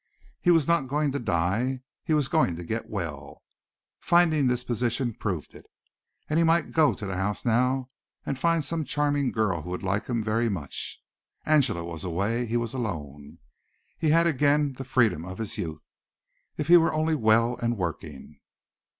He was not going to die; he was going to get well. Finding this position proved it. And he might go to the house now and find some charming girl who would like him very much. Angela was away. He was alone. He had again the freedom of his youth. If he were only well and working!